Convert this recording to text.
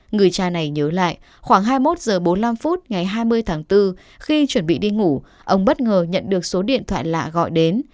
người cha này nhớ lại khoảng hai mươi một h bốn mươi năm phút ngày hai mươi tháng bốn khi chuẩn bị đi ngủ ông bất ngờ nhận được số điện thoại lạ gọi đến